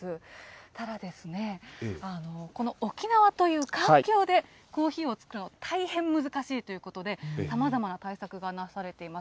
ただですね、この沖縄という環境でコーヒーを作るの、大変難しいということで、さまざまな対策がなされています。